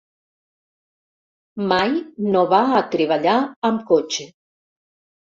Mai no va a treballar amb cotxe.